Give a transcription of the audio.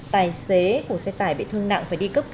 tài xế của xe tải bị thương nặng